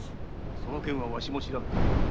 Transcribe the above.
その件はわしも調べた。